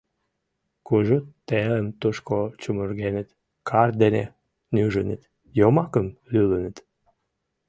Кужу телым тушко чумыргеныт, карт дене нӱжыныт, йомакым лӱлыныт.